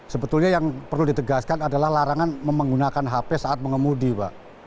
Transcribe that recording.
sebetulnya yang perlu ditegaskan adalah larangan menggunakan hp saat mengemudi pak